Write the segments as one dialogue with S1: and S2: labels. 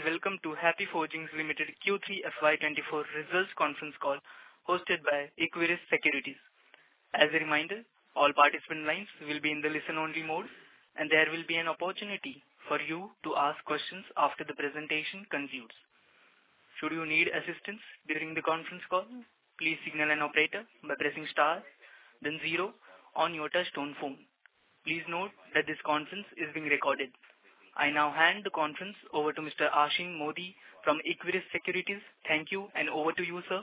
S1: Good day, and welcome to Happy Forgings Limited Q3 FY 2024 results conference call, hosted by Equirus Securities. As a reminder, all participant lines will be in the listen-only mode, and there will be an opportunity for you to ask questions after the presentation concludes. Should you need assistance during the conference call, please signal an operator by pressing star then zero on your touchtone phone. Please note that this conference is being recorded. I now hand the conference over to Mr. Ashim Modi from Equirus Securities. Thank you, and over to you, sir.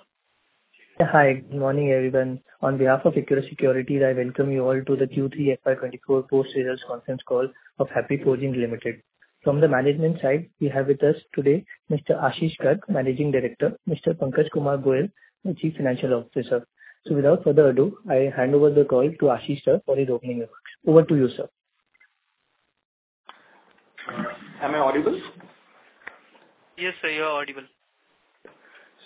S2: Hi. Good morning, everyone. On behalf of Equirus Securities, I welcome you all to the Q3 FY 2024 post-sales conference call of Happy Forgings Limited. From the management side, we have with us today Mr. Ashish Garg, Managing Director, Mr. Pankaj Kumar Goyal, the Chief Financial Officer. So without further ado, I hand over the call to Ashish, sir, for his opening remarks. Over to you, sir.
S3: Am I audible?
S2: Yes, sir, you are audible.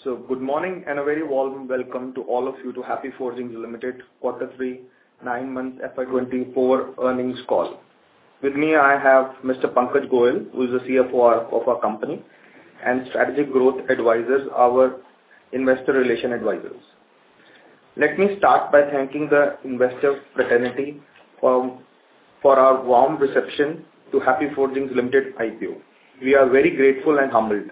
S3: Good morning, and a very warm welcome to all of you to Happy Forgings Limited, quarter three, nine-month FY 2024 earnings call. With me, I have Mr. Pankaj Goel, who is the CFO of our, of our company, and Strategic Growth Advisors, our investor relations advisors. Let me start by thanking the investor fraternity for, for our warm reception to Happy Forgings Limited IPO. We are very grateful and humbled.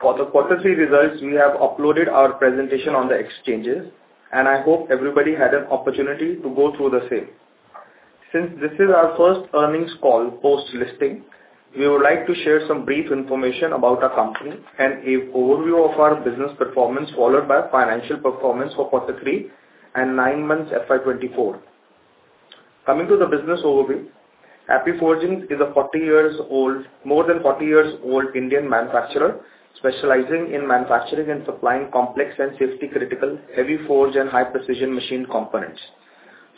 S3: For the quarter three results, we have uploaded our presentation on the exchanges, and I hope everybody had an opportunity to go through the same. Since this is our first earnings call post-listing, we would like to share some brief information about our company and an overview of our business performance, followed by financial performance for quarter three and nine months FY 2024. Coming to the business overview, Happy Forgings is a 40-year-old, more than 40-year-old Indian manufacturer, specializing in manufacturing and supplying complex and safety-critical, heavy forge and high-precision machined components.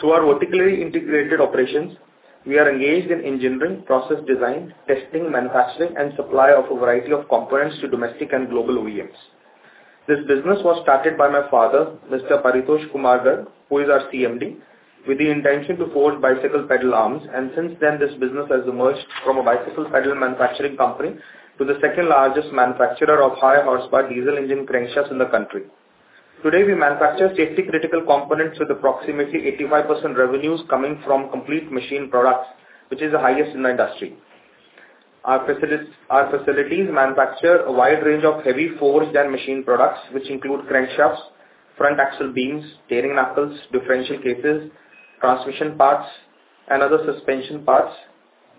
S3: Through our vertically integrated operations, we are engaged in engineering, process design, testing, manufacturing, and supply of a variety of components to domestic and global OEMs. This business was started by my father, Mr. Paritosh Kumar Garg, who is our CMD, with the intention to forge bicycle pedal arms, and since then, this business has emerged from a bicycle pedal manufacturing company to the second-largest manufacturer of high-horsepower diesel engine crankshafts in the country. Today, we manufacture safety-critical components with approximately 85% revenues coming from complete machined products, which is the highest in the industry. Our facilities manufacture a wide range of heavy forged and machined products, which include crankshafts, front axle beams, steering knuckles, differential cases, transmission parts, and other suspension parts,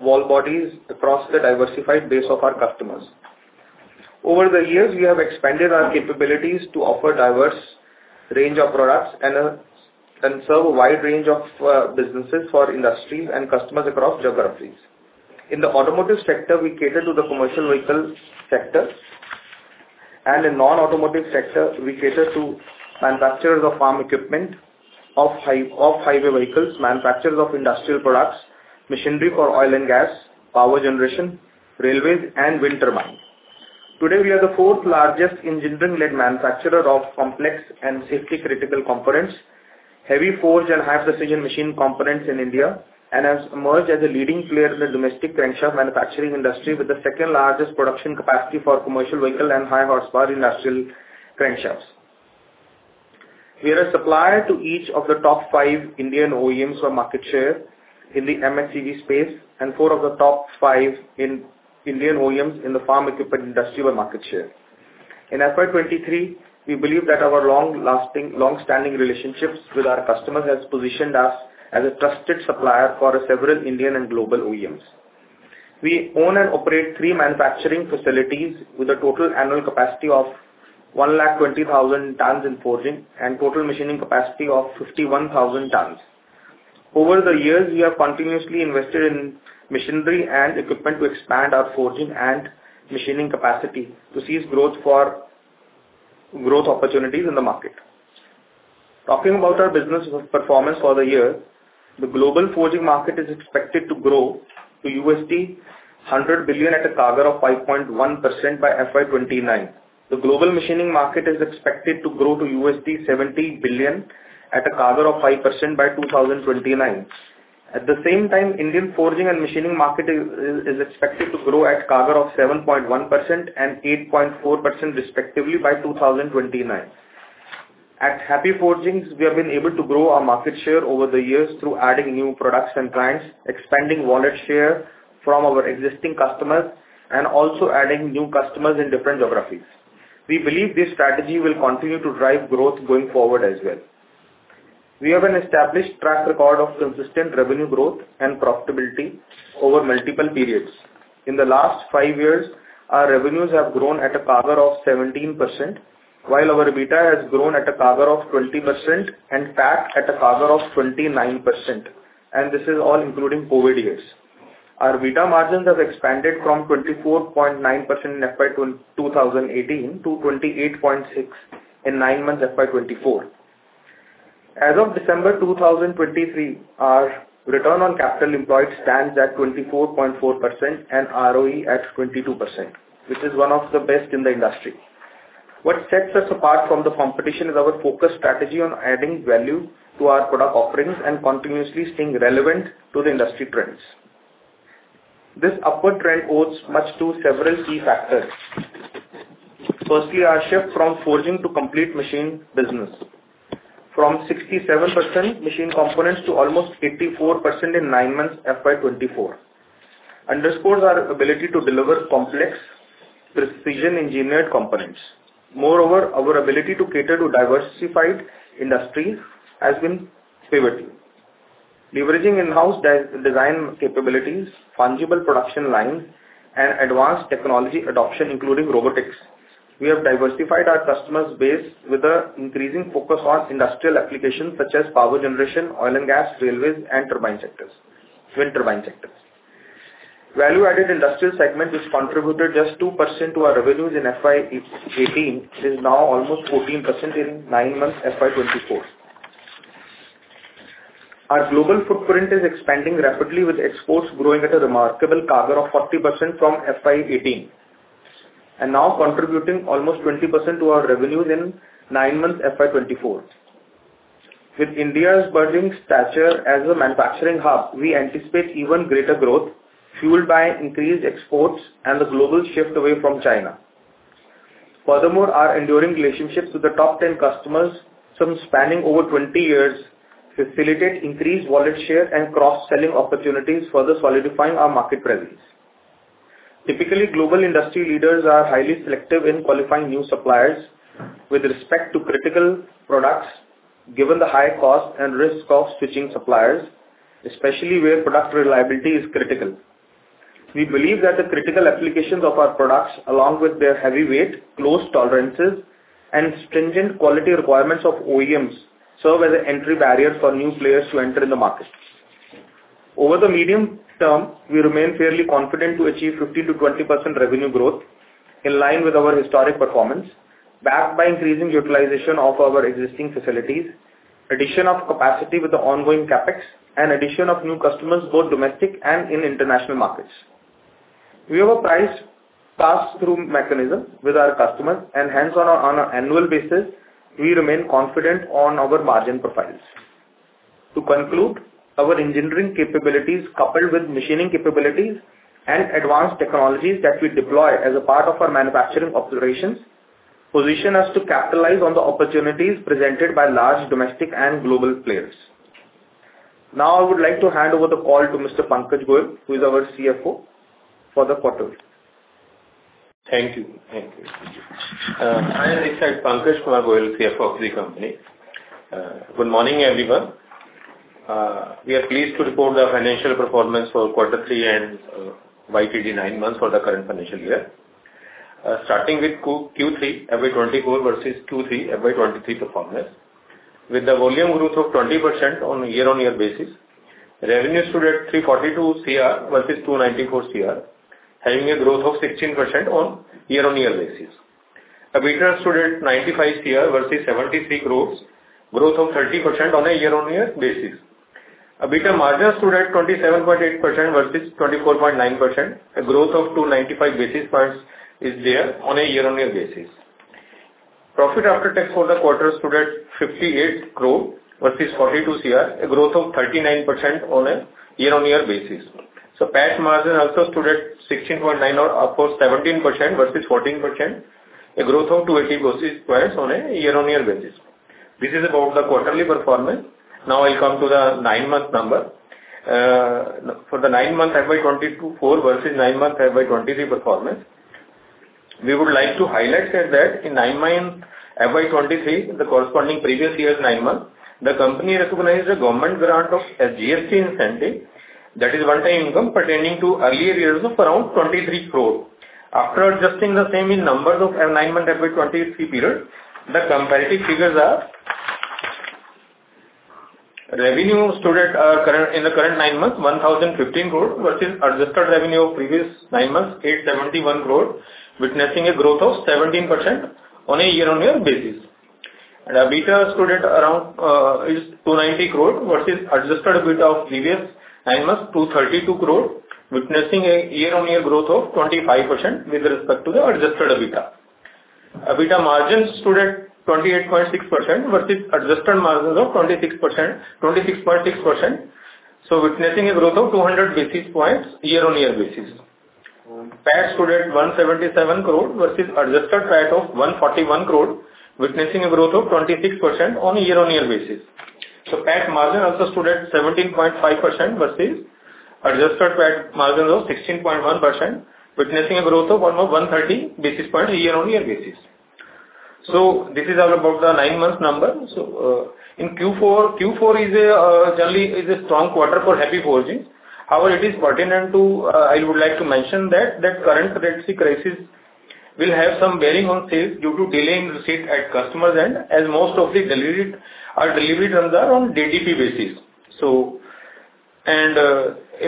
S3: valve bodies across the diversified base of our customers. Over the years, we have expanded our capabilities to offer diverse range of products and serve a wide range of businesses for industries and customers across geographies. In the automotive sector, we cater to the commercial vehicle sector, and in non-automotive sector, we cater to manufacturers of farm equipment, off-highway vehicles, manufacturers of industrial products, machinery for oil and gas, power generation, railways, and wind turbines. Today, we are the fourth-largest engineering-led manufacturer of complex and safety-critical components, heavy forge and high-precision machined components in India, and have emerged as a leading player in the domestic crankshaft manufacturing industry, with the second-largest production capacity for commercial vehicle and high-horsepower industrial crankshafts. We are a supplier to each of the top five Indian OEMs for market share in the M&HCV space, and four of the top five in Indian OEMs in the farm equipment industry by market share. In FY 2023, we believe that our long-lasting, long-standing relationships with our customers has positioned us as a trusted supplier for several Indian and global OEMs. We own and operate three manufacturing facilities with a total annual capacity of 120,000 tons in forging and total machining capacity of 51,000 tons. Over the years, we have continuously invested in machinery and equipment to expand our forging and machining capacity to seize growth for growth opportunities in the market. Talking about our business performance for the year, the global forging market is expected to grow to $100 billion at a CAGR of 5.1% by FY 2029. The global machining market is expected to grow to $70 billion at a CAGR of 5% by 2029. At the same time, Indian forging and machining market is expected to grow at CAGR of 7.1% and 8.4% respectively by 2029. At Happy Forgings, we have been able to grow our market share over the years through adding new products and clients, expanding wallet share from our existing customers, and also adding new customers in different geographies. We believe this strategy will continue to drive growth going forward as well. We have an established track record of consistent revenue growth and profitability over multiple periods. In the last five years, our revenues have grown at a CAGR of 17%, while our EBITDA has grown at a CAGR of 20% and PAT at a CAGR of 29%, and this is all including COVID years. Our EBITDA margins have expanded from 24.9% in FY 2018 to 28.6% in nine months, FY 2024. As of December 2023, our return on capital employed stands at 24.4% and ROE at 22%, which is one of the best in the industry. What sets us apart from the competition is our focused strategy on adding value to our product offerings and continuously staying relevant to the industry trends. This upward trend owes much to several key factors. Firstly, our shift from forging to complete machine business, from 67% machine components to almost 84% in 9 months, FY 2024, underscores our ability to deliver complex, precision-engineered components. Moreover, our ability to cater to diversified industry has been pivotal. Leveraging in-house design capabilities, fungible production lines, and advanced technology adoption, including robotics, we have diversified our customer base with an increasing focus on industrial applications such as power generation, oil and gas, railways, and turbine sectors, wind turbine sectors. Value-added industrial segment, which contributed just 2% to our revenues in FY 2018, is now almost 14% in nine months, FY 2024. Our global footprint is expanding rapidly, with exports growing at a remarkable CAGR of 40% from FY 2018, and now contributing almost 20% to our revenues in nine months, FY 2024. With India's burgeoning stature as a manufacturing hub, we anticipate even greater growth, fueled by increased exports and the global shift away from China. Furthermore, our enduring relationships with the top 10 customers, some spanning over 20 years, facilitate increased wallet share and cross-selling opportunities, further solidifying our market presence. Typically, global industry leaders are highly selective in qualifying new suppliers with respect to critical products, given the high cost and risk of switching suppliers, especially where product reliability is critical. We believe that the critical applications of our products, along with their heavy weight, close tolerances, and stringent quality requirements of OEMs, serve as an entry barrier for new players to enter in the market. Over the medium term, we remain fairly confident to achieve 15%-20% revenue growth, in line with our historic performance, backed by increasing utilization of our existing facilities, addition of capacity with the ongoing CapEx, and addition of new customers, both domestic and in international markets. We have a price pass-through mechanism with our customers, and hence on an annual basis, we remain confident on our margin profiles. To conclude, our engineering capabilities, coupled with machining capabilities and advanced technologies that we deploy as a part of our manufacturing operations, position us to capitalize on the opportunities presented by large domestic and global players. Now, I would like to hand over the call to Mr. Pankaj Goel, who is our CFO, for the quarter.
S4: Thank you. Thank you. I am Pankaj Kumar Goel, CFO of the company. Good morning, everyone. We are pleased to report the financial performance for quarter three and YTD nine months for the current financial year. Starting with Q3 FY 2024 versus Q3 FY 2023 performance. With the volume growth of 20% on a year-on-year basis, revenues stood at 342 crore versus 294 crore, having a growth of 16% on year-on-year basis. EBITDA stood at 95 crore versus 73 crore, growth of 30% on a year-on-year basis. EBITDA margin stood at 27.8% versus 24.9%. A growth of 295 basis points is there on a year-on-year basis. Profit after tax for the quarter stood at 58 crore versus 42 crore, a growth of 39% on a year-on-year basis. PAT margin also stood at 16.9, or approx 17% versus 14%, a growth of 280 basis points on a year-on-year basis. This is about the quarterly performance. Now, I'll come to the nine-month number. For the nine months, FY 2024 versus nine months, FY 2023 performance, we would like to highlight that, that in nine months, FY 2023, the corresponding previous year's nine months, the company recognized a government grant of SGST incentive. That is one-time income pertaining to earlier years of around 23 crore. After adjusting the same in numbers of nine-month FY 2023 period, the comparative figures are: Revenue stood at, current, in the current nine months, 1,015 crore, versus adjusted revenue of previous nine months, 871 crore, witnessing a growth of 17% on a year-on-year basis. EBITDA stood at around 290 crore versus adjusted EBITDA of previous nine months, 232 crore, witnessing a year-on-year growth of 25% with respect to the adjusted EBITDA. EBITDA margin stood at 28.6% versus adjusted margin of 26%, 26.6%, so witnessing a growth of 200 basis points year-on-year basis. PAT stood at INR 177 crore versus adjusted PAT of INR 141 crore, witnessing a growth of 26% on a year-on-year basis. So PAT margin also stood at 17.5% versus adjusted PAT margin of 16.1%, witnessing a growth of almost 130 basis points year-on-year basis. So this is all about the nine-month number. So, in Q4, Q4 is a, generally is a strong quarter for heavy forging. However, it is pertinent to, I would like to mention that, that current Red Sea crisis will have some bearing on sales due to delay in receipt at customer's end, as most of the delivered are delivered on the, on DDP basis. So, and,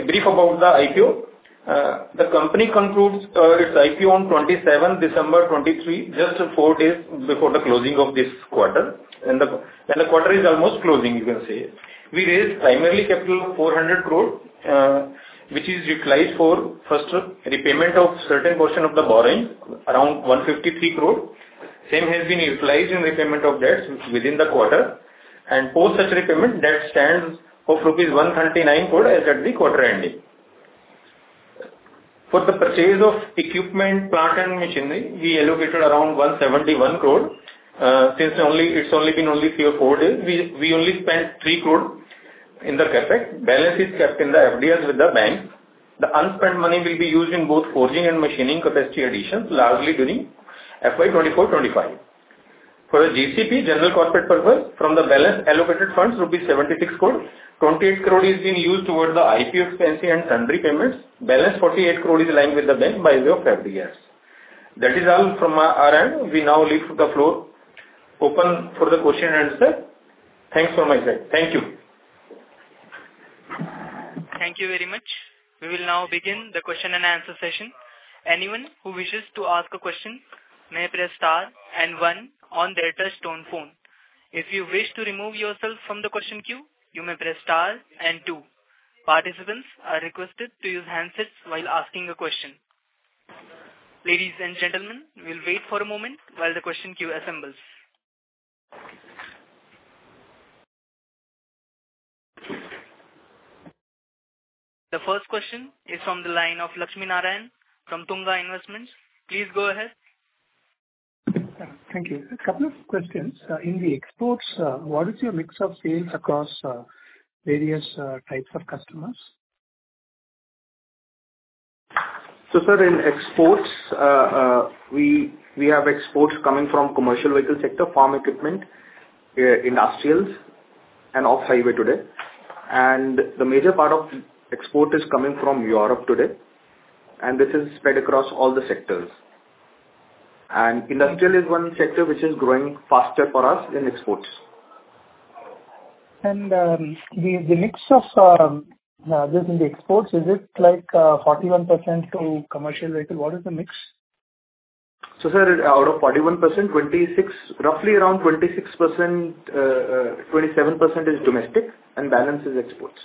S4: a brief about the IPO. The company concludes its IPO on 27 December 2023, just four days before the closing of this quarter, and the, and the quarter is almost closing, you can say. We raised primarily capital of 400 crore.... which is utilized for, first, repayment of certain portion of the borrowing, around 153 crore. Same has been utilized in repayment of debts within the quarter, and post such repayment, debt stands of rupees 139 crore as at the quarter ending. For the purchase of equipment, plant and machinery, we allocated around 171 crore. Since only, it's only been only three or four days, we, we only spent 3 crore in the CapEx. Balance is kept in the FDRs with the bank. The unspent money will be used in both forging and machining capacity additions, largely during FY 2024- FY 2025. For the GCP, general corporate purpose, from the balance allocated funds, rupees 76 crore, 28 crore is being used towards the IPO expense and sundry payments. Balance 48 crore is lying with the bank by way of FDRs. That is all from our, our end. We now leave the floor open for the question and answer. Thanks from my side. Thank you.
S1: Thank you very much. We will now begin the question and answer session. Anyone who wishes to ask a question may press star and one on their touchtone phone. If you wish to remove yourself from the question queue, you may press star and two. Participants are requested to use handsets while asking a question. Ladies and gentlemen, we'll wait for a moment while the question queue assembles. The first question is from the line of Lakshmi Narayanan from Tunga Investments. Please go ahead.
S5: Thank you. A couple of questions. In the exports, what is your mix of sales across various types of customers?
S3: So sir, in exports, we have exports coming from commercial vehicle sector, farm equipment, industrials, and off-highway today. The major part of export is coming from Europe today, and this is spread across all the sectors. Industrial is one sector which is growing faster for us in exports.
S5: The mix of this in the exports, is it like 41% to commercial vehicle? What is the mix?
S3: So, sir, out of 41%, 26, roughly around 26%, 27% is domestic, and balance is exports.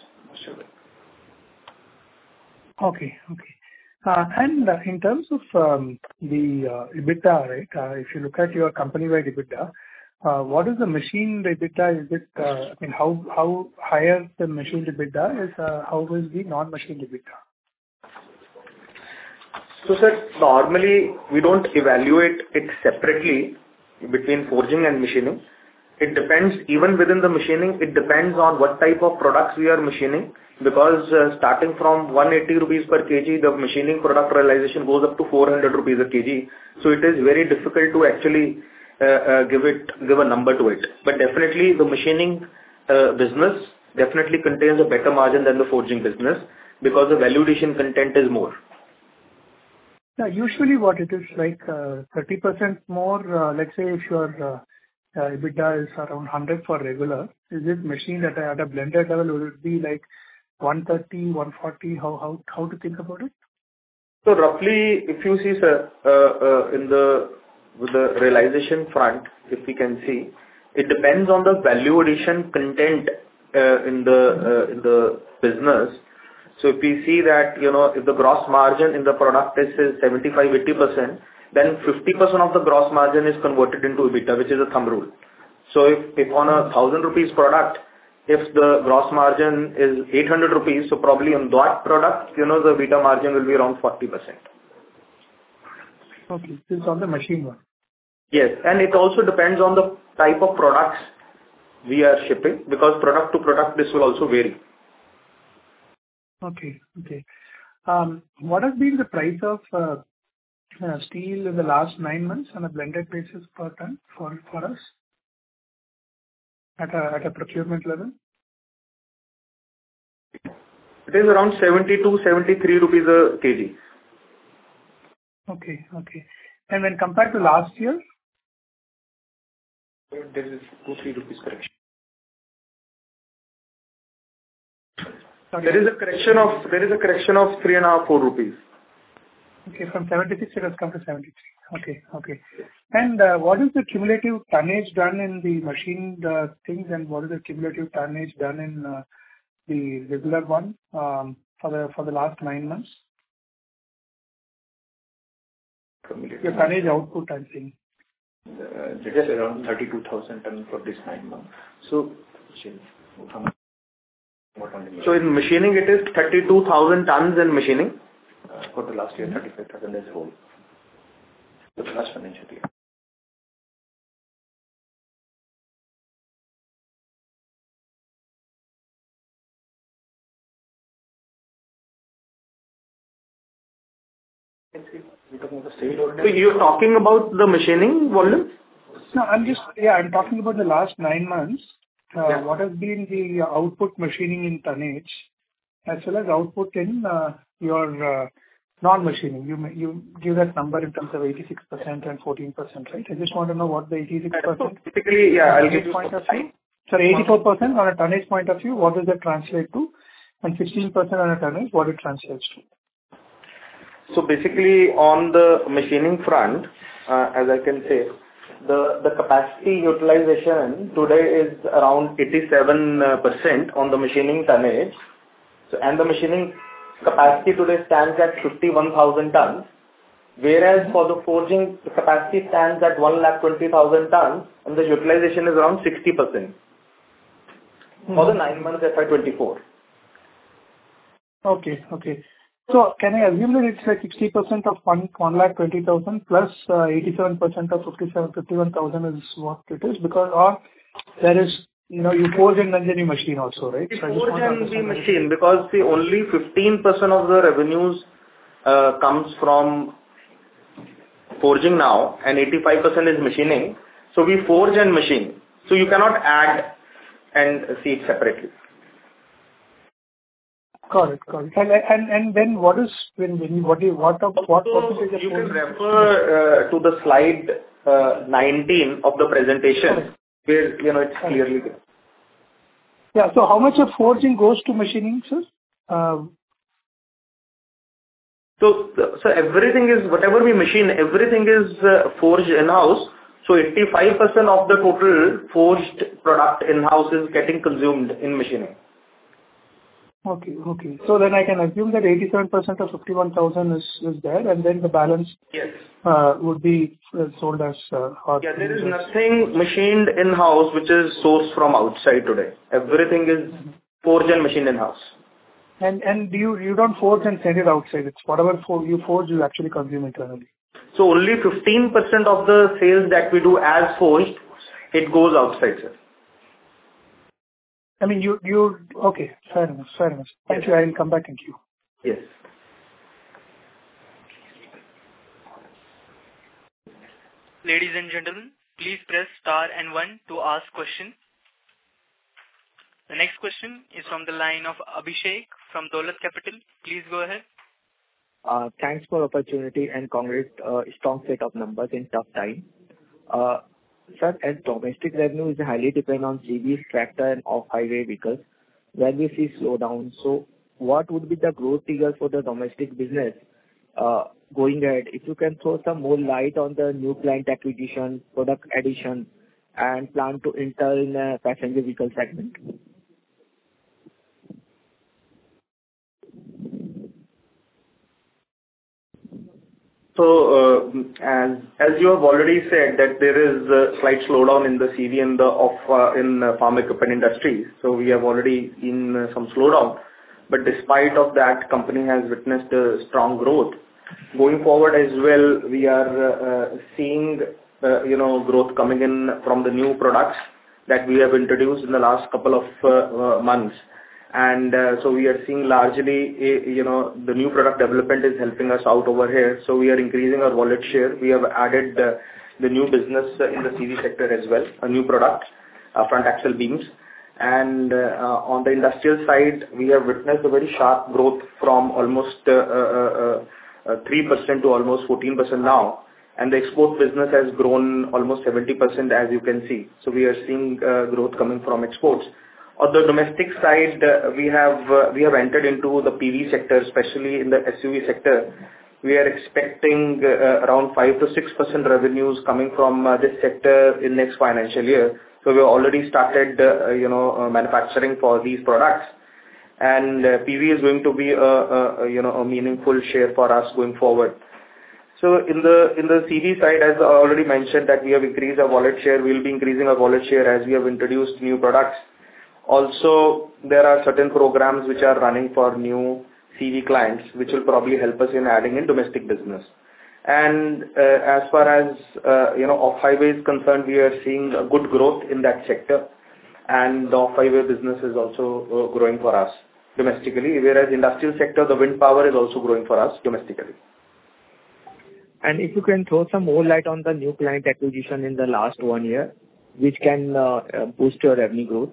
S5: Okay. And in terms of the EBITDA, right, if you look at your company-wide EBITDA, what is the machine EBITDA? Is it... I mean, how higher the machine EBITDA is, how will be non-machine EBITDA?
S3: So sir, normally we don't evaluate it separately between forging and machining. It depends, even within the machining, it depends on what type of products we are machining, because, starting from 180 rupees per kg, the machining product realization goes up to 400 rupees a kg. So it is very difficult to actually, give it, give a number to it. But definitely, the machining, business definitely contains a better margin than the forging business, because the value addition content is more.
S5: Now, usually what it is, like, 30% more, let's say if your EBITDA is around 100 for regular, is it machining there at a blended level, will it be like 130, 140? How, how, how to think about it?
S3: So roughly, if you see, sir, in the, with the realization front, if we can see, it depends on the value addition content, in the, in the business. So if we see that, you know, if the gross margin in the product is 75%-80%, then 50% of the gross margin is converted into EBITDA, which is a thumb rule. So if, if on a 1,000 rupees product, if the gross margin is 800 rupees, so probably on that product, you know, the EBITDA margin will be around 40%.
S5: Okay. It's on the machine one.
S3: Yes, and it also depends on the type of products we are shipping, because product to product, this will also vary.
S5: Okay. Okay. What has been the price of steel in the last nine months on a blended basis per ton for us at a procurement level?
S3: It is around 70-73 rupees a kg.
S5: Okay, okay. When compared to last year?
S6: There is INR 2-INR 3 correction.
S5: Okay.
S3: There is a correction of 3.5-4 rupees.
S5: Okay. From 76 it has come to 73. Okay, okay.
S3: Yes.
S5: What is the cumulative tonnage done in the machined things, and what is the cumulative tonnage done in the regular one, for the last nine months?
S6: Cumulative.
S5: The tonnage output, I think.
S6: It's around 32,000 tons for this nine months.
S5: So...
S6: More or less.
S5: In machining, it is 32,000 tons in machining?
S6: For the last year, 35,000 is whole. For the last financial year.
S3: You're talking about the machining volume?
S5: No, I'm just. Yeah, I'm talking about the last nine months.
S3: Yeah.
S5: What has been the output machining in tonnage, as well as output in your non-machining? You gave that number in terms of 86% and 14%, right? I just want to know what the 86%-
S3: Typically, yeah, I'll give you-
S5: Sorry, 84% on a tonnage point of view, what does that translate to? And 16% on a tonnage, what it translates to?
S3: So basically, on the machining front, as I can say, the capacity utilization today is around 87% on the machining tonnage. So, and the machining capacity today stands at 51,000 tons, whereas for the forging, the capacity stands at 120,000 tons, and the utilization is around 60% for the nine months at FY 2024.
S5: Okay, okay. Can I assume that it's like 60% of 120,000 plus 87% of 57,000 is what it is? Because, you know, you forge and then you machine also, right?
S3: We forge and we machine, because see only 15% of the revenues comes from forging now, and 85% is machining. So we forge and machine, so you cannot add and see it separately.
S5: Got it, got it. And then what is, when, what do you, what-
S3: You can refer to the slide 19 of the presentation.
S5: Okay.
S3: where, you know, it's clearly there.
S5: Yeah. So how much of forging goes to machining, sir?
S3: Everything is... Whatever we machine, everything is forged in-house. So 85% of the total forged product in-house is getting consumed in machining.
S5: Okay, okay. So then I can assume that 87% of 51,000 is, is there, and then the balance-
S3: Yes.
S5: Would be, sold as, hard-
S3: Yeah, there is nothing machined in-house which is sourced from outside today. Everything is forged and machined in-house.
S5: You don't forge and send it outside. It's whatever you forge, you actually consume it internally.
S3: So only 15% of the sales that we do as forged, it goes outside, sir.
S5: I mean, you... Okay, fair enough. Fair enough.
S3: Yes.
S5: Actually, I will come back. Thank you.
S3: Yes.
S1: Ladies and gentlemen, please press star and one to ask questions. The next question is from the line of Abhishek Jain from Dolat Capital. Please go ahead.
S7: Thanks for the opportunity, and congrats, strong set of numbers in tough time. Sir, as domestic revenue is highly dependent on CVs, tractor and off-highway vehicles, where we see slowdown. So what would be the growth figure for the domestic business, going ahead? If you can throw some more light on the new client acquisition, product addition, and plan to enter in the passenger vehicle segment?
S3: So, as you have already said, that there is a slight slowdown in the CV and the off in farm equipment industries, so we have already seen some slowdown. But despite of that, company has witnessed a strong growth. Going forward as well, we are seeing, you know, growth coming in from the new products that we have introduced in the last couple of months. And so we are seeing largely a, you know, the new product development is helping us out over here, so we are increasing our wallet share. We have added the new business in the CV sector as well, a new product, front axle beams. And, on the industrial side, we have witnessed a very sharp growth from almost 3% to almost 14% now, and the export business has grown almost 70%, as you can see. So we are seeing growth coming from exports. On the domestic side, we have entered into the PV sector, especially in the SUV sector. We are expecting around 5%-6% revenues coming from this sector in next financial year. So we have already started, you know, manufacturing for these products. And, PV is going to be a, you know, a meaningful share for us going forward. So in the CV side, as I already mentioned, that we have increased our wallet share. We'll be increasing our wallet share as we have introduced new products. Also, there are certain programs which are running for new CV clients, which will probably help us in adding in domestic business. And, as far as, you know, off-highway is concerned, we are seeing a good growth in that sector. And the off-highway business is also growing for us domestically, whereas industrial sector, the wind power is also growing for us domestically. If you can throw some more light on the new client acquisition in the last one year, which can boost your revenue growth?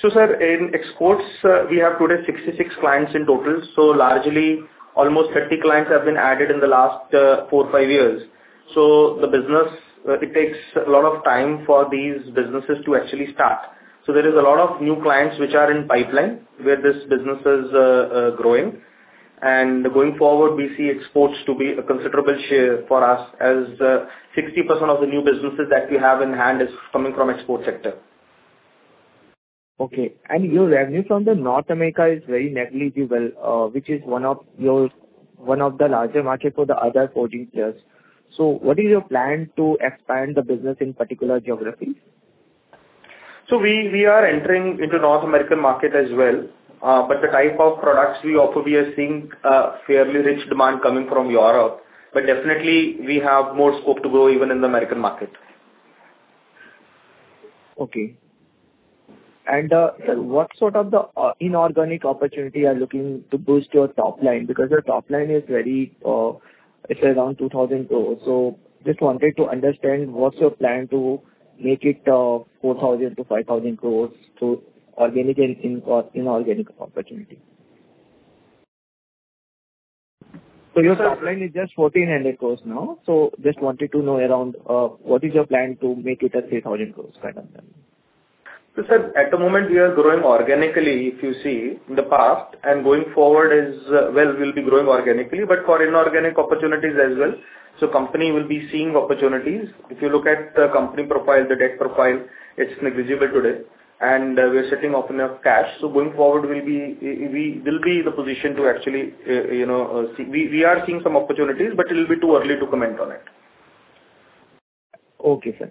S3: So, sir, in exports, we have today 66 clients in total. So largely, almost 30 clients have been added in the last four, five years. So the business, it takes a lot of time for these businesses to actually start. So there is a lot of new clients which are in pipeline, where this business is growing. And going forward, we see exports to be a considerable share for us, as 60% of the new businesses that we have in hand is coming from export sector.
S7: Okay. And your revenue from the North America is very negligible, which is one of the larger markets for the other forging players. So what is your plan to expand the business in particular geographies?
S3: We are entering into North American market as well, but the type of products we offer, we are seeing a fairly rich demand coming from Europe. We definitely have more scope to grow even in the American market.
S7: Okay. What sort of the inorganic opportunity are you looking to boost your top line? Because your top line is very, it's around 2,000 crore. So just wanted to understand, what's your plan to make it, four thousand to five thousand crores through organic and inorganic opportunity? So your top line is just 1,400 crore now, so just wanted to know around, what is your plan to make it a 3,000 crore kind of thing?...
S3: So sir, at the moment, we are growing organically, if you see in the past, and going forward is, well, we'll be growing organically, but for inorganic opportunities as well. So company will be seeing opportunities. If you look at the company profile, the debt profile, it's negligible today, and we're sitting up in our cash. So going forward, we'll be in the position to actually, you know, see we are seeing some opportunities, but it will be too early to comment on it.
S7: Okay, sir.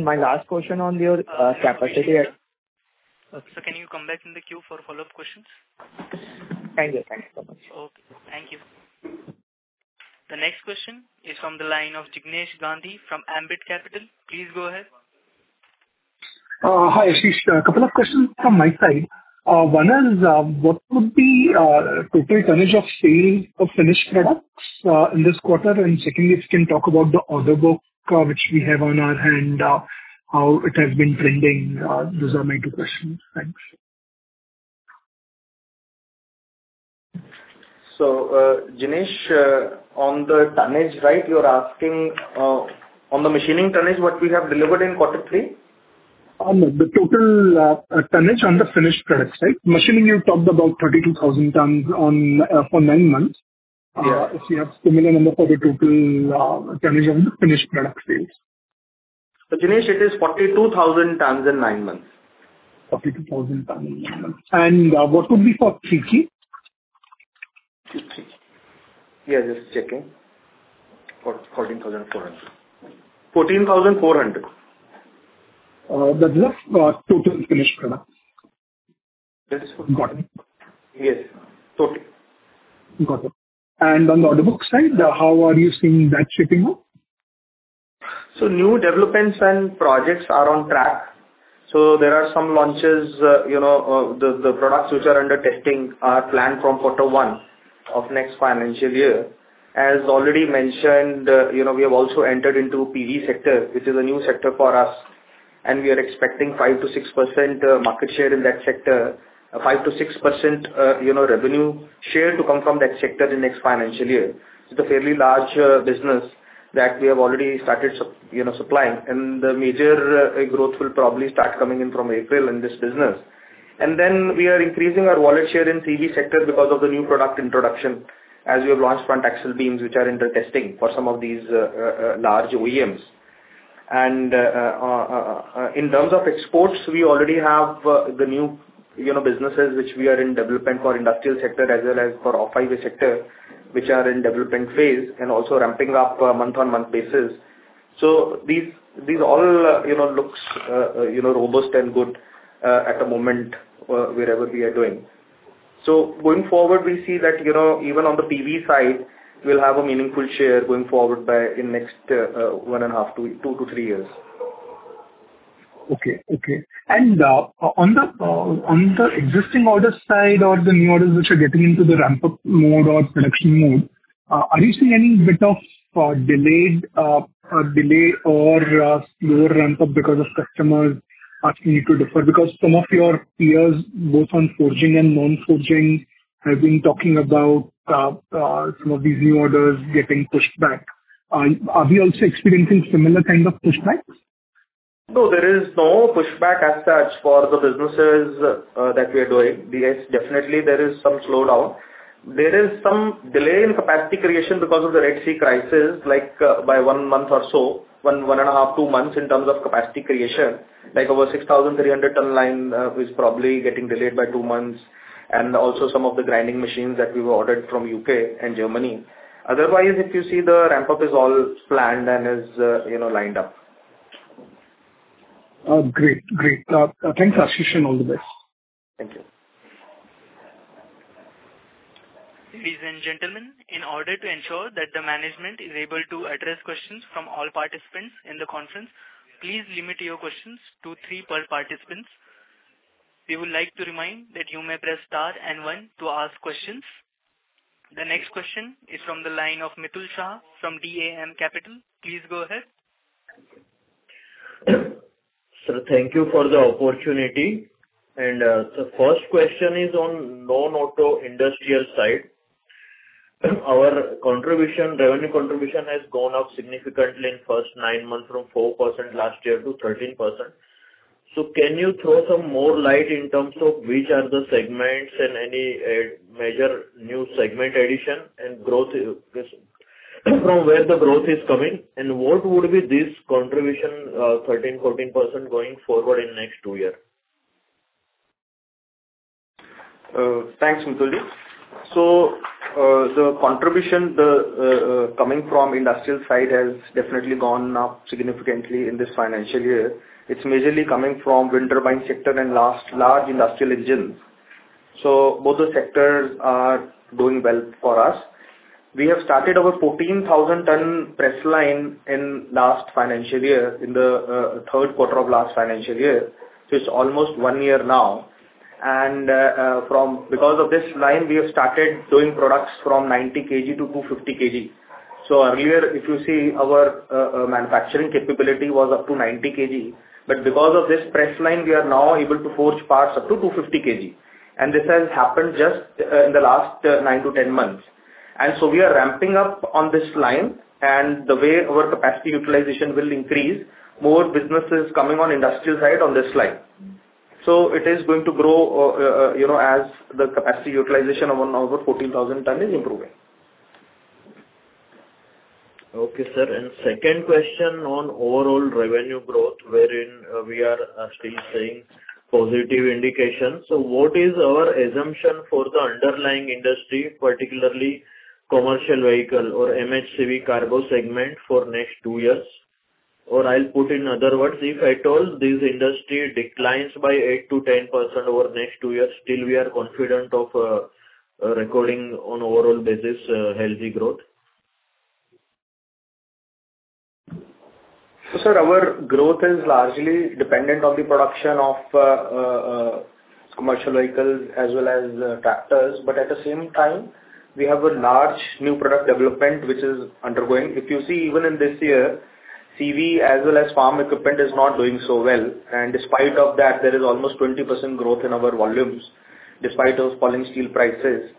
S7: My last question on your capacity-
S1: Sir, can you come back in the queue for follow-up questions?
S7: Thank you. Thank you so much.
S1: Okay, thank you. The next question is from the line of Jinesh Gandhi from Ambit Capital. Please go ahead.
S8: Hi, Ashish. A couple of questions from my side. One is, what would be total tonnage of sale of finished products in this quarter? And secondly, if you can talk about the order book which we have on our hand, how it has been trending. Those are my two questions. Thanks.
S3: So, Jignesh, on the tonnage, right, you are asking on the machining tonnage, what we have delivered in quarter three?
S8: The total tonnage on the finished products, right? Machining, you talked about 32,000 tons on for nine months.
S3: Yeah.
S8: If you have similar number for the total tonnage on the finished product sales?
S3: Jignesh, it is 42,000 tons in nine months.
S8: 42,000 tons in nine months. What would be for 3Q?
S3: Yeah, just checking. 14,400. 14,400.
S8: That's just total finished product?
S3: That is for-
S8: Got it.
S3: Yes, total.
S8: Got it. On the order book side, how are you seeing that shaping up?
S3: So new developments and projects are on track. So there are some launches, you know, the products which are under testing are planned from quarter one of next financial year. As already mentioned, you know, we have also entered into PE sector, which is a new sector for us, and we are expecting 5%-6% market share in that sector. 5%-6%, you know, revenue share to come from that sector in next financial year. It's a fairly large business that we have already started you know, supplying, and the major growth will probably start coming in from April in this business. And then we are increasing our wallet share in PV sector because of the new product introduction, as we have launched front axle beams, which are under testing for some of these large OEMs. And in terms of exports, we already have the new, you know, businesses which we are in development for industrial sector, as well as for off-highway sector, which are in development phase and also ramping up on a month-on-month basis. So these, these all, you know, looks robust and good at the moment, wherever we are doing. So going forward, we see that, you know, even on the PV side, we'll have a meaningful share going forward by in next 1.5 to 2 to 3 years. Okay, okay. And on the existing order side or the new orders which are getting into the ramp-up mode or production mode, are you seeing any bit of delay or slower ramp-up because of customers asking you to defer? Because some of your peers, both on forging and non-forging, have been talking about some of these new orders getting pushed back. Are we also experiencing similar kind of pushbacks? No, there is no pushback as such for the businesses that we are doing. Yes, definitely, there is some slowdown. There is some delay in capacity creation because of the Red Sea crisis, like, by 1 month or so, 1, 1.5, 2 months in terms of capacity creation. Like, our 6,300-ton line is probably getting delayed by 2 months, and also some of the grinding machines that we've ordered from U.K. and Germany. Otherwise, if you see the ramp-up is all planned and is, you know, lined up.
S8: Great. Great. Thanks, Ashish, and all the best.
S3: Thank you.
S1: Ladies and gentlemen, in order to ensure that the management is able to address questions from all participants in the conference, please limit your questions to three per participants. We would like to remind that you may press Star and One to ask questions. The next question is from the line of Mitul Shah from DAM Capital. Please go ahead.
S9: Sir, thank you for the opportunity. And, the first question is on non-auto industrial side. Our contribution, revenue contribution, has gone up significantly in first nine months from 4% last year to 13%. So can you throw some more light in terms of which are the segments and any major new segment addition and growth, from where the growth is coming, and what would be this contribution, 13%-14% going forward in next two year?
S3: Thanks, Mitul. So, the contribution coming from industrial side has definitely gone up significantly in this financial year. It's majorly coming from wind turbine sector and large industrial engines. So both the sectors are doing well for us. We have started our 14,000-ton press line in last financial year, in the third quarter of last financial year. So it's almost one year now. Because of this line, we have started doing products from 90 KG to 250 KG. So earlier, if you see our manufacturing capability was up to 90 KG, but because of this press line, we are now able to forge parts up to 250 KG. This has happened just in the last 9-10 months. So we are ramping up on this line, and the way our capacity utilization will increase, more businesses coming on industrial side on this line. So it is going to grow, you know, as the capacity utilization of our now over 14,000 ton is improving.
S9: Okay, sir. Second question on overall revenue growth, wherein, we are still seeing positive indications. So what is our assumption for the underlying industry, particularly commercial vehicle or MHCV cargo segment for next two years? Or I'll put in other words, if at all this industry declines by 8%-10% over the next two years, still we are confident of, recording on overall business, healthy growth?
S3: So sir, our growth is largely dependent on the production of commercial vehicles as well as tractors. But at the same time, we have a large new product development, which is undergoing. If you see, even in this year, CV as well as farm equipment is not doing so well, and despite of that, there is almost 20% growth in our volumes, despite those falling steel prices.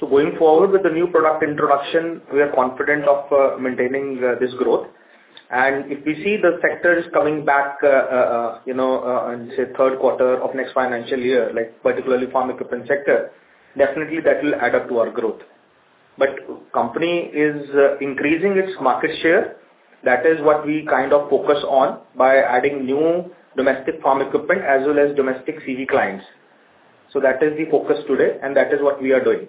S3: So going forward with the new product introduction, we are confident of maintaining this growth. And if we see the sector is coming back, you know, say, third quarter of next financial year, like particularly farm equipment sector, definitely that will add up to our growth. But company is increasing its market share. That is what we kind of focus on by adding new domestic farm equipment as well as domestic CV clients. That is the focus today, and that is what we are doing.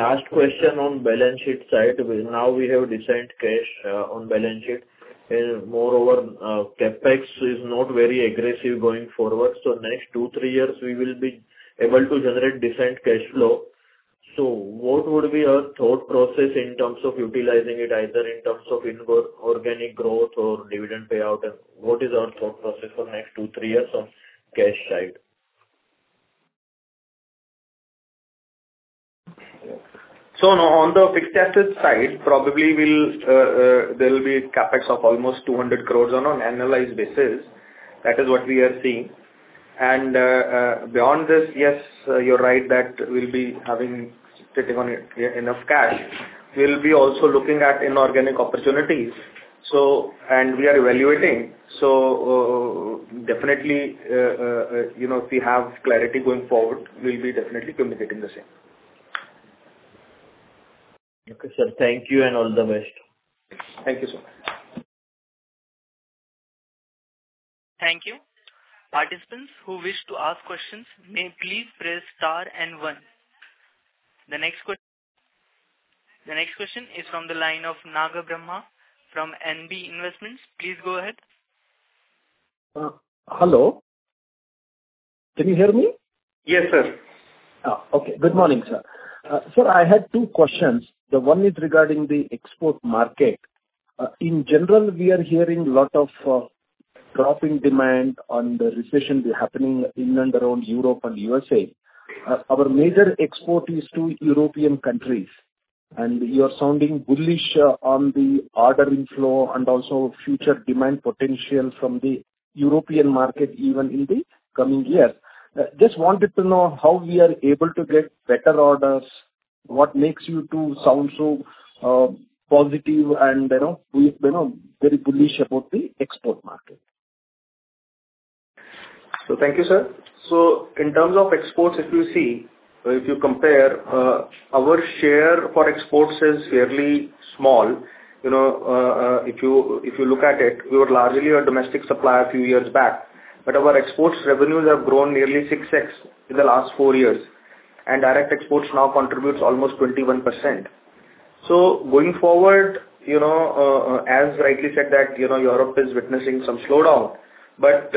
S9: Last question on balance sheet side. Now we have decent cash on balance sheet, and moreover, CapEx is not very aggressive going forward. So next 2-3 years, we will be able to generate decent cash flow. So what would be our thought process in terms of utilizing it, either in terms of inward organic growth or dividend payout? And what is our thought process for next 2-3 years on cash side?
S3: Now, on the fixed asset side, probably we'll, there will be CapEx of almost 200 crore on an annualized basis. That is what we are seeing. Beyond this, yes, you're right that we'll be having, sitting on enough cash. We'll be also looking at inorganic opportunities, so and we are evaluating, so, definitely, you know, if we have clarity going forward, we'll be definitely communicating the same.
S9: Okay, sir. Thank you and all the best.
S3: Thank you, sir.
S1: Thank you. Participants who wish to ask questions may please press star and one. The next question is from the line of Naga Brahma from N.B. Investments. Please go ahead.
S10: Hello. Can you hear me?
S3: Yes, sir.
S10: Okay. Good morning, sir. Sir, I had two questions. The one is regarding the export market. In general, we are hearing a lot of dropping demand on the recession happening in and around Europe and USA. Our major export is to European countries, and you are sounding bullish on the ordering flow and also future demand potential from the European market, even in the coming year. Just wanted to know how we are able to get better orders. What makes you to sound so positive and, you know, very bullish about the export market?
S3: So thank you, sir. So in terms of exports, if you see, if you compare, our share for exports is fairly small. You know, if you look at it, we were largely a domestic supplier a few years back, but our exports revenues have grown nearly 6x in the last four years, and direct exports now contributes almost 21%. So going forward, you know, as rightly said that, you know, Europe is witnessing some slowdown, but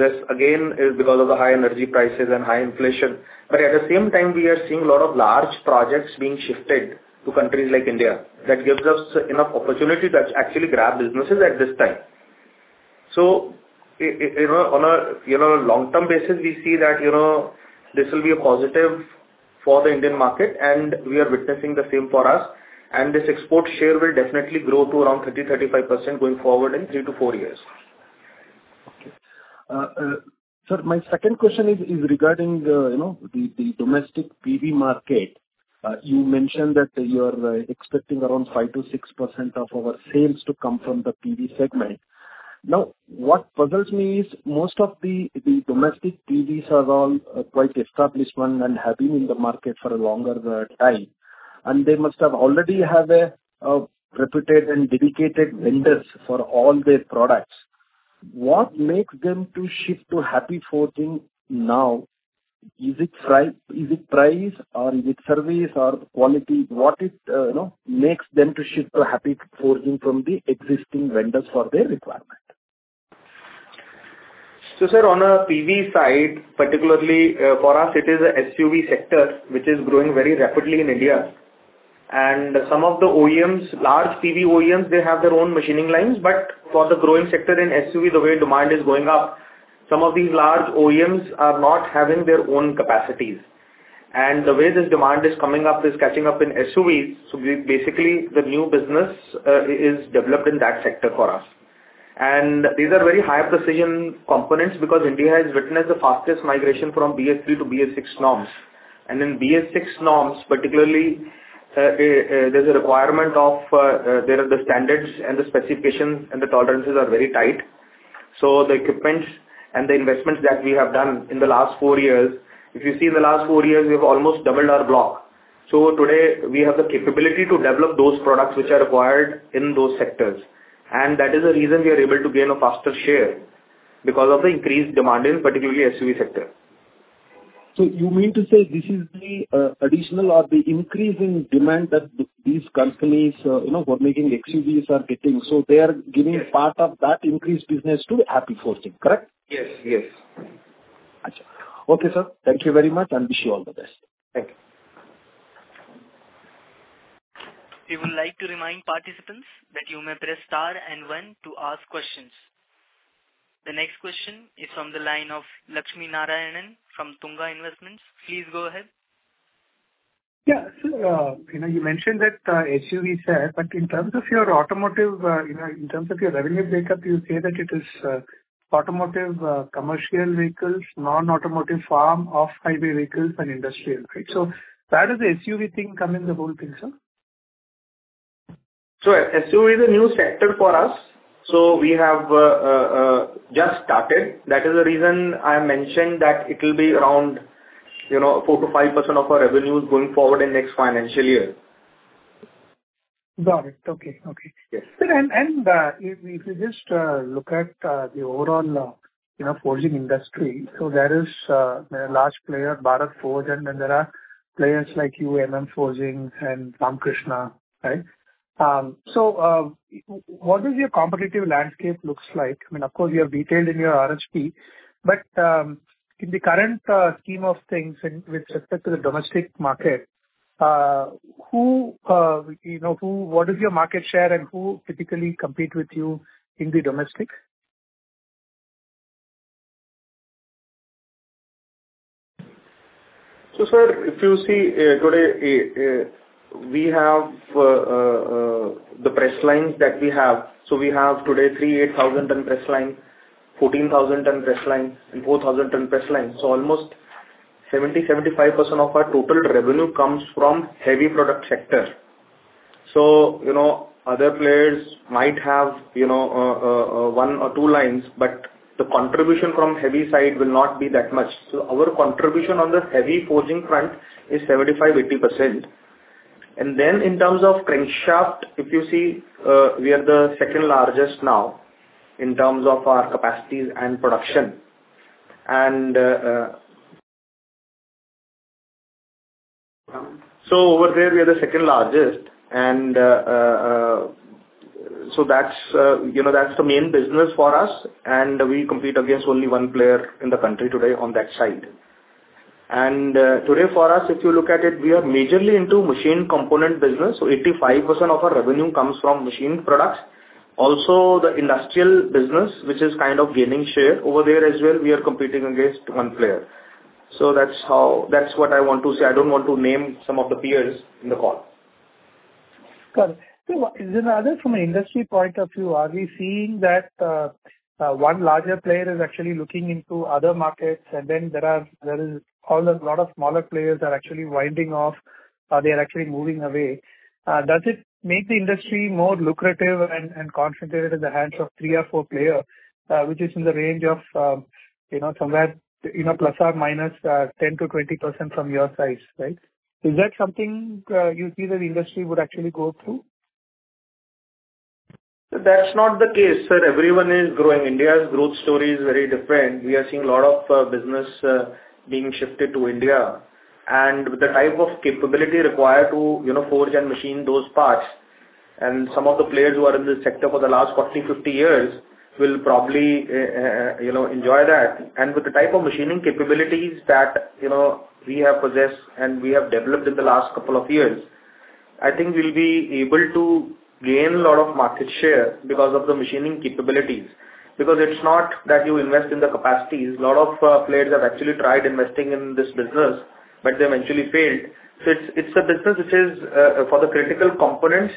S3: this again is because of the high energy prices and high inflation. But at the same time, we are seeing a lot of large projects being shifted to countries like India. That gives us enough opportunity to actually grab businesses at this time. So, you know, on a, you know, long-term basis, we see that, you know, this will be a positive for the Indian market, and we are witnessing the same for us, and this export share will definitely grow to around 30%-35% going forward in 3-4 years.
S10: Okay. Sir, my second question is regarding, you know, the domestic PV market. You mentioned that you are expecting around 5%-6% of our sales to come from the PV segment. Now, what puzzles me is, most of the domestic PVs are all quite established and have been in the market for a longer time, and they must have already have a reputed and dedicated vendors for all their products. What makes them to shift to Happy Forgings now? Is it price, or is it service, or quality? What is, you know, makes them to shift to Happy Forgings from the existing vendors for their requirement?
S3: So sir, on a PV side, particularly, for us, it is a SUV sector, which is growing very rapidly in India. And some of the OEMs, large PV OEMs, they have their own machining lines, but for the growing sector in SUV, the way demand is going up, some of these large OEMs are not having their own capacities. And the way this demand is coming up, is catching up in SUVs, so we basically, the new business, is developed in that sector for us. And these are very high precision components, because India has witnessed the fastest migration from BS3 to BS6 norms. And in BS6 norms, particularly, there's a requirement of, there are the standards and the specifications, and the tolerances are very tight. The equipment and the investments that we have done in the last four years, if you see in the last four years, we've almost doubled our block. Today, we have the capability to develop those products which are required in those sectors, and that is the reason we are able to gain a faster share, because of the increased demand in particularly SUV sector.
S10: So you mean to say this is the additional or the increase in demand that these companies, you know, who are making SUVs are getting, so they are giving-
S3: Yes.
S10: Part of that increased business to Happy Forging, correct?
S3: Yes, yes.
S10: Okay. Okay, sir. Thank you very much, and wish you all the best.
S3: Thank you.
S1: We would like to remind participants that you may press star and one to ask questions. The next question is from the line of Lakshmi Narayan from Tunga Investments. Please go ahead.
S5: Yeah. So, you know, you mentioned that, SUV sales, but in terms of your automotive, you know, in terms of your revenue makeup, you say that it is, automotive, commercial vehicles, non-automotive, farm, off-highway vehicles, and industrial, right? So where does the SUV thing come in the whole thing, sir?
S3: SUV is a new sector for us, so we have just started. That is the reason I mentioned that it will be around, you know, 4%-5% of our revenues going forward in next financial year.
S5: Got it. Okay, okay.
S3: Yes.
S5: If you just look at the overall, you know, forging industry, so there is a large player, Bharat Forge, and then there are players like you, MM Forgings and Ramkrishna, right? So, what does your competitive landscape look like? I mean, of course, you have detailed in your RHP, but in the current scheme of things in, with respect to the domestic market, who, you know, what is your market share, and who typically compete with you in the domestic?
S3: So sir, if you see, today we have the press lines that we have. So we have today 3 8,000-ton press line, 14,000-ton press line, and 4,000-ton press line. So almost 70, 75% of our total revenue comes from heavy product sector. So, you know, other players might have, you know, 1 or 2 lines, but the contribution from heavy side will not be that much. So our contribution on the heavy forging front is 75, 80%. And then, in terms of crankshaft, if you see, we are the second largest now in terms of our capacities and production. And... So over there, we are the second largest, and, so that's, you know, that's the main business for us, and we compete against only one player in the country today on that side. And, today, for us, if you look at it, we are majorly into machine component business, so 85% of our revenue comes from machine products. Also, the industrial business, which is kind of gaining share over there as well, we are competing against one player. So that's how... That's what I want to say. I don't want to name some of the peers in the call.
S5: Got it. So then from an industry point of view, are we seeing that one larger player is actually looking into other markets, and then there is a lot of smaller players are actually winding off, or they are actually moving away? Does it make the industry more lucrative and concentrated in the hands of three or four player, which is in the range of, you know, somewhere, you know, ±10%-20% from your size, right? Is that something you see the industry would actually go through?
S3: That's not the case, sir. Everyone is growing. India's growth story is very different. We are seeing a lot of business being shifted to India, and with the type of capability required to, you know, forge and machine those parts, and some of the players who are in this sector for the last 40, 50 years, will probably, you know, enjoy that. And with the type of machining capabilities that, you know, we have possessed and we have developed in the last couple of years, I think we'll be able to gain a lot of market share because of the machining capabilities. Because it's not that you invest in the capacities. A lot of players have actually tried investing in this business, but they eventually failed. So it's, it's a business which is for the critical components,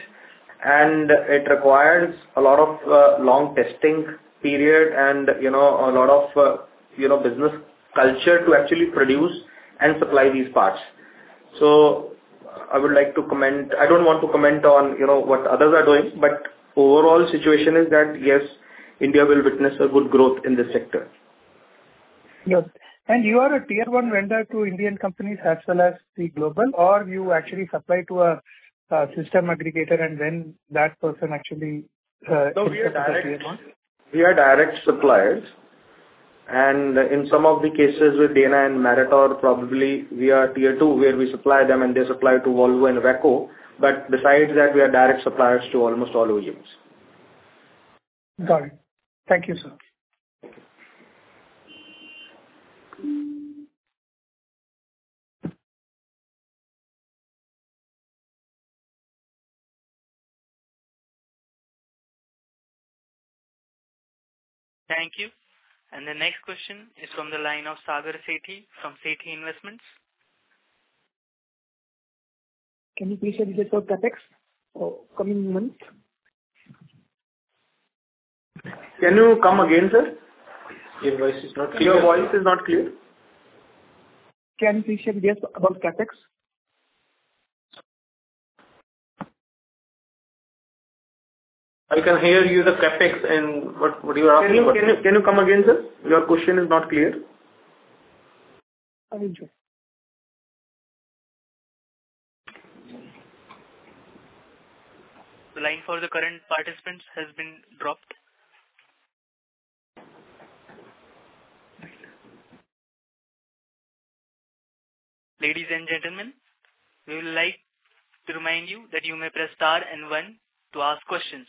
S3: and it requires a lot of long testing period and, you know, a lot of you know, business culture to actually produce and supply these parts. So I would like to comment, I don't want to comment on, you know, what others are doing, but overall situation is that, yes, India will witness a good growth in this sector.
S5: Yes, and you are a Tier 1 vendor to Indian companies as well as the global, or you actually supply to a system aggregator and then that person actually.
S3: No, we are direct. We are direct suppliers, and in some of the cases with Dana and Meritor, probably we are Tier 2, where we supply them and they supply to Volvo and VECV. But besides that, we are direct suppliers to almost all OEMs.
S5: Got it. Thank you, sir.
S1: Thank you. The next question is from the line of Sagar Sethi from Sethi Investments....
S6: Can you please share results for CapEx for coming months?
S3: Can you come again, sir? Your voice is not clear.
S2: Your voice is not clear.
S6: Can you please share results about CapEx?
S3: I can hear you, the CapEx and what, what you are asking about?
S6: Can you come again, sir? Your question is not clear.
S2: I will check.
S1: The line for the current participant has been dropped. Ladies and gentlemen, we would like to remind you that you may press star and one to ask questions.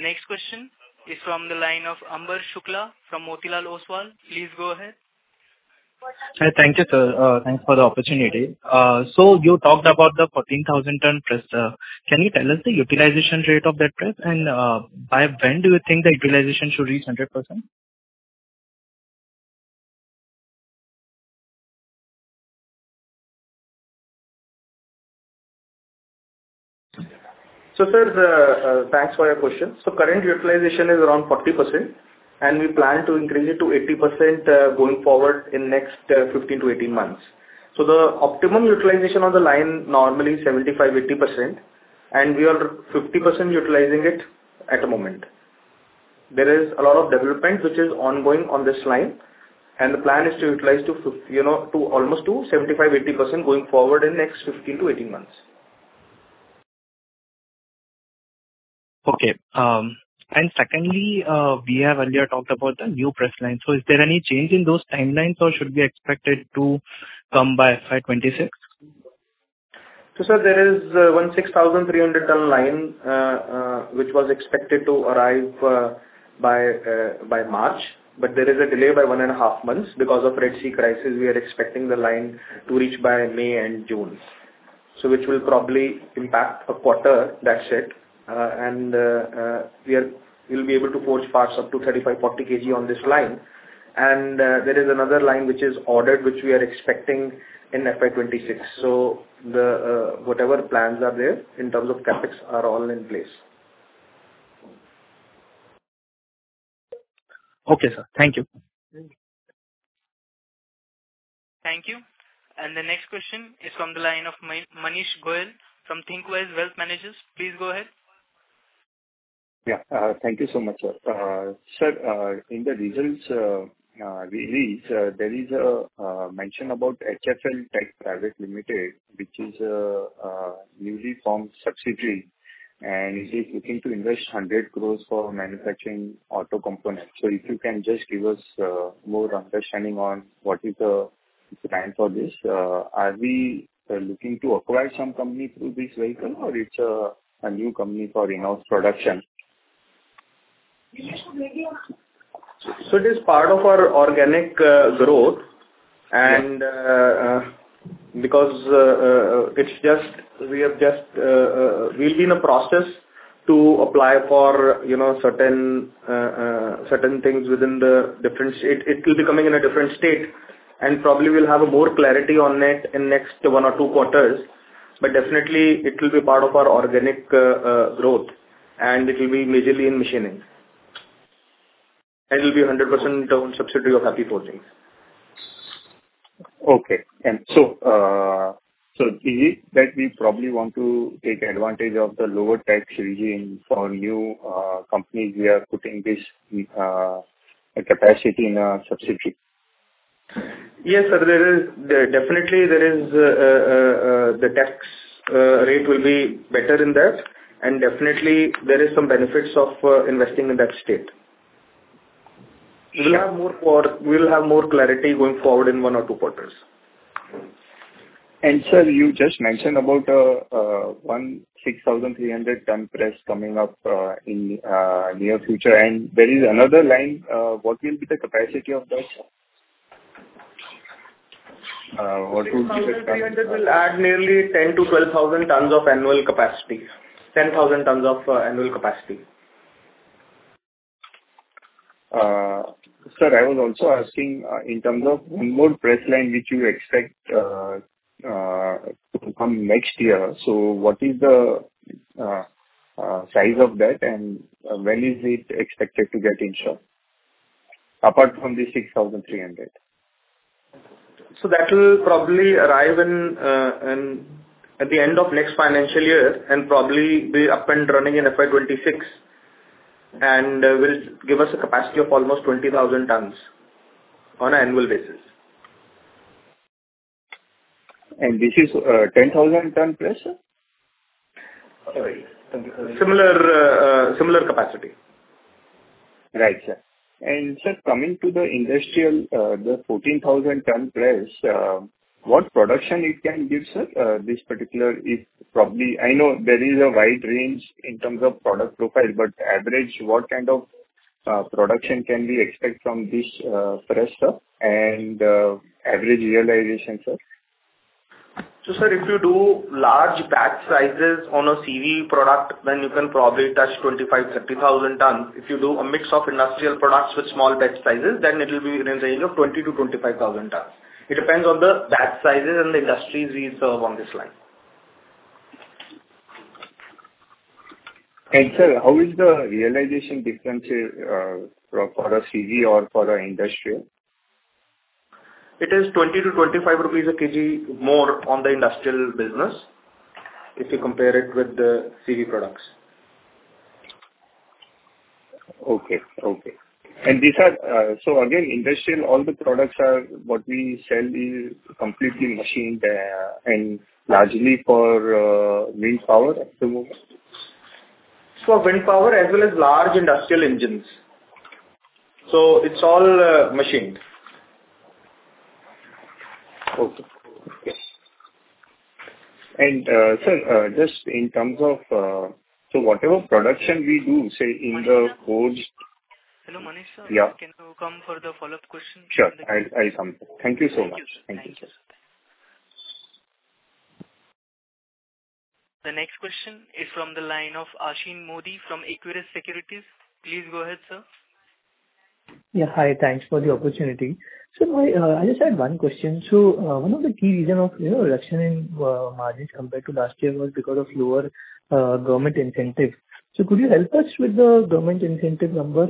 S1: The next question is from the line of Amber Shukla from Motilal Oswal. Please go ahead.
S11: Hi. Thank you, sir. Thanks for the opportunity. So you talked about the 14,000 ton press, can you tell us the utilization rate of that press? And, by when do you think the utilization should reach 100%?
S3: So sir, thanks for your question. So current utilization is around 40%, and we plan to increase it to 80%, going forward in next 15-18 months. So the optimum utilization of the line, normally 75%-80%, and we are 50% utilizing it at the moment. There is a lot of development which is ongoing on this line, and the plan is to utilize you know, to almost to 75%-80% going forward in the next 15-18 months.
S11: Okay. And secondly, we have earlier talked about the new press line. So is there any change in those timelines or should we expect it to come by FY 26?
S3: So sir, there is one 6,000-ton line which was expected to arrive by March, but there is a delay by 1.5 months because of Red Sea crisis. We are expecting the line to reach by May and June. So which will probably impact a quarter, that's it. We'll be able to forge parts up to 35-40 KG on this line. And there is another line which is ordered, which we are expecting in FY 2026. So the whatever plans are there in terms of CapEx are all in place.
S11: Okay, sir. Thank you.
S1: Thank you. And the next question is from the line of Manish Goel from ThinkWise Wealth Managers. Please go ahead.
S12: Yeah. Thank you so much, sir. Sir, in the results release, there is a mention about HFL Tech Private Limited, which is a newly formed subsidiary, and is looking to invest 100 crore for manufacturing auto components. So if you can just give us more understanding on what is the plan for this. Are we looking to acquire some company through this vehicle, or it's a new company for in-house production?
S3: So it is part of our organic growth and because it's just... We've been in a process to apply for, you know, certain things within the different state. It will be coming in a different state, and probably we'll have a more clarity on it in next one or two quarters, but definitely it will be part of our organic growth, and it will be majorly in machining. And it will be a 100% owned subsidiary of Happy Forgings.
S12: Okay. And so, so is it that we probably want to take advantage of the lower tax regime for new companies we are putting this capacity in a subsidiary?
S3: Yes, sir, there is definitely there is the tax rate will be better in that, and definitely there is some benefits of investing in that state. We will have more clarity going forward in one or two quarters.
S12: Sir, you just mentioned about one 16,300-ton press coming up in near future, and there is another line. What will be the capacity of that, sir? What will be the capacity?
S3: 6,300 will add nearly 10,000-12,000 tons of annual capacity. 10,000 tons of annual capacity.
S12: Sir, I was also asking, in terms of one more press line which you expect to come next year. So what is the size of that, and when is it expected to get installed, apart from the 6,300?
S3: So that will probably arrive in at the end of next financial year, and probably be up and running in FY 2026, and will give us a capacity of almost 20,000 tons on an annual basis.
S12: This is, 10,000 ton press? Sorry.
S3: Similar, similar capacity.
S12: ...Right, sir. And sir, coming to the industrial, the 14,000-ton press, what production it can give, sir, this particular is probably, I know there is a wide range in terms of product profile, but average, what kind of production can we expect from this press, sir, and average realization, sir?
S3: So, sir, if you do large batch sizes on a CV product, then you can probably touch 25-30,000 tons. If you do a mix of industrial products with small batch sizes, then it will be in the range of 20-25,000 tons. It depends on the batch sizes and the industries we serve on this line.
S12: Sir, how is the realization difference for a CV or for an industrial?
S3: It is 20-25 rupees a kg more on the industrial business, if you compare it with the CV products.
S12: Okay, okay. And these are, so again, industrial, all the products are, what we sell is completely machined, and largely for, wind power at the moment?
S3: For wind power as well as large industrial engines. So it's all, machined.
S12: Okay. Yes. And, sir, just in terms of, so whatever production we do, say, in the codes-
S1: Hello, Manish sir?
S12: Yeah.
S1: Can you come for the follow-up question?
S12: Sure, I'll come. Thank you so much.
S1: Thank you, sir.
S12: Thank you, sir.
S1: The next question is from the line of Ashim Modi from Equirus Securities. Please go ahead, sir.
S2: Yeah, hi. Thanks for the opportunity. So I just had one question: So one of the key reason of, you know, reduction in margins compared to last year was because of lower government incentives. So could you help us with the government incentive number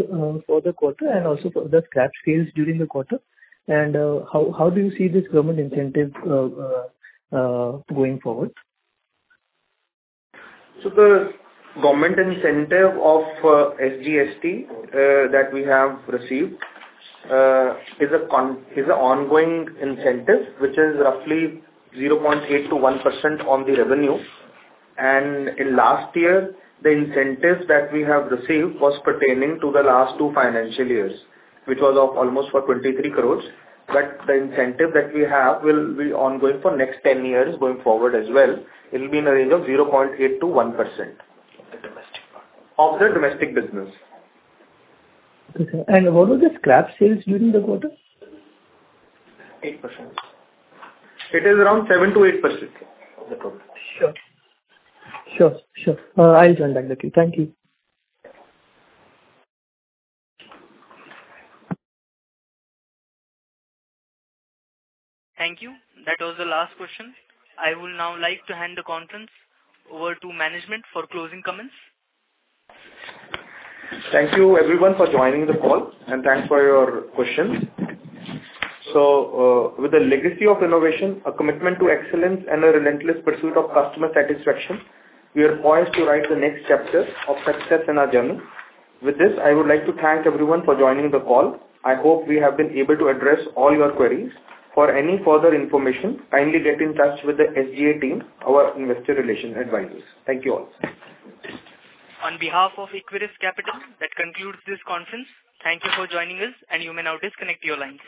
S2: for the quarter and also for the scrap sales during the quarter? And how do you see this government incentive going forward? The government incentive of SGST that we have received is an ongoing incentive, which is roughly 0.8%-1% on the revenue. In last year, the incentives that we have received was pertaining to the last two financial years, which was of almost 23 crore. But the incentive that we have will be ongoing for next 10 years, going forward as well. It will be in the range of 0.8%-1%. Of the domestic one.
S3: Of the domestic business.
S2: Okay. What were the scrap sales during the quarter?
S3: 8%. It is around 7%-8% of the total.
S2: Sure. Sure, sure. I'll join back with you. Thank you.
S1: Thank you. That was the last question. I would now like to hand the conference over to management for closing comments.
S3: Thank you everyone for joining the call, and thanks for your questions. So, with a legacy of innovation, a commitment to excellence, and a relentless pursuit of customer satisfaction, we are poised to write the next chapter of success in our journey. With this, I would like to thank everyone for joining the call. I hope we have been able to address all your queries. For any further information, kindly get in touch with the SGA team, our investor relations advisors. Thank you, all.
S1: On behalf of Equirus Securities, that concludes this conference. Thank you for joining us, and you may now disconnect your lines.